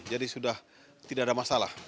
jadi sudah tidak ada masalah